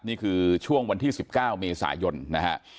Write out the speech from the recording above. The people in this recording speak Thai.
นี่คือช่วงวันที่๑๙เมษายนนะฮะ